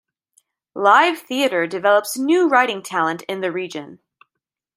Live Theatre develops new writing talent in the region.